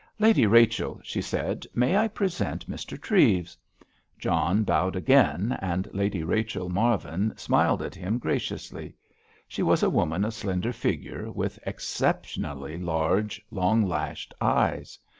"Lady Rachel," she said, "may I present Mr. Treves." John bowed again, and Lady Rachel Marvin smiled at him graciously. She was a woman of slender figure, with exceptionally large, long lashed eyes.